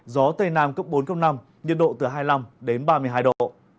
gió tây nam cộng bốn cộng năm nhiệt độ từ hai mươi năm ba mươi hai độ